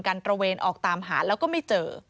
ตระเวนออกตามหาแล้วก็ไม่เจอ